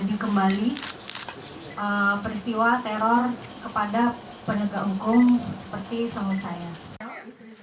dan peristiwa teror kepada penegak hukum seperti sama saya